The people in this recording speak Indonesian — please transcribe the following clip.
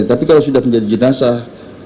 tapi kalau sudah menjadi jenazah